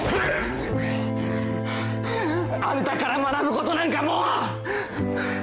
あんたから学ぶことなんかもう。